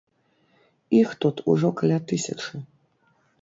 Іх тут ужо каля тысячы!